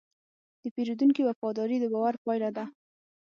د پیرودونکي وفاداري د باور پايله ده.